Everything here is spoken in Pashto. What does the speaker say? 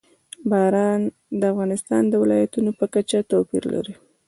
باران د افغانستان د ولایاتو په کچه توپیر لري.